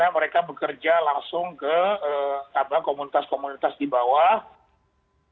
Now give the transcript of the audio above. mereka bekerja langsung ke komunitas komunitas di bawah